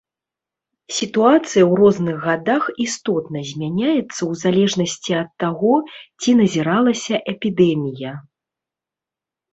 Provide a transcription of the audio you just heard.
Сітуацыя ў розных гадах істотна змяняецца ў залежнасці ад таго, ці назіралася эпідэмія.